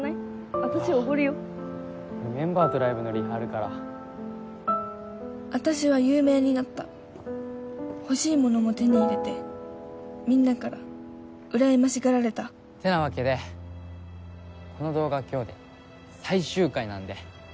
私おごるよメンバーとライブのリハあるから私は有名になった欲しいものも手に入れてみんなからうらやましがられたてなわけでこの動画今日で最終回なんで。